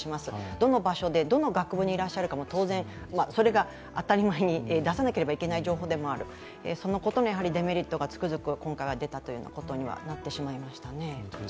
どの場所で、どの学部にいらっしゃるかも当然、それが当たり前に出さなければいけない情報でもある、そのことのデメリットがつくづく今回が出たということになってしまいましたね。